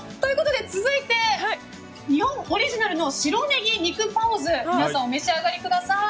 続いて、日本オリジナルの白ネギ肉パオズ皆さん、お召し上がりください。